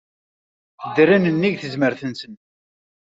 Ddren nnig tzemmar-nsen.